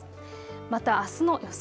またあすの予想